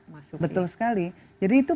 masuk betul sekali jadi itu